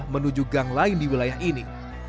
menuju gang lain di wilayah ini